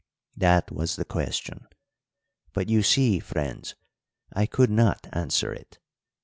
"That was the question; but, you see, friends, I could not answer it.